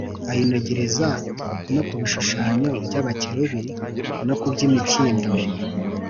ayinogereza no ku bishushanyo by’abakerubi no ku by’imikindo